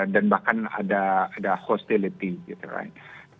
dan bahkan ada ada hostility gitu right